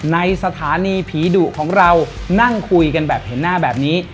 ในสถานีผีดุของเรานั่งคุยกันแบบเห็นหน้าแบบนี้